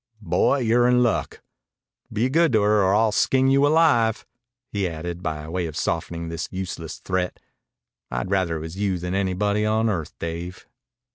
"Boy, you're in luck. Be good to her, or I'll skin you alive." He added, by way of softening this useless threat, "I'd rather it was you than anybody on earth, Dave."